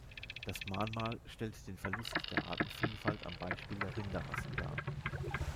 Das Mahnmal stellt den Verlust der Artenvielfalt am Beispiel der Rinderrassen dar.